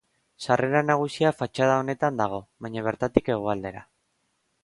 Sarrera nagusia fatxada honetan dago, baina bertatik hegoaldera.